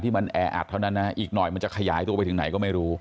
มันแออัดเท่านั้นนะอีกหน่อยมันจะขยายตัวไปถึงไหนก็ไม่รู้